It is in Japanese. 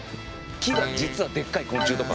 木が実はでっかい昆虫とか。